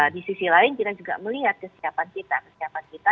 di sisi lain kita juga melihat kesiapan kita